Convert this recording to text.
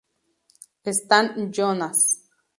Stan Jonas.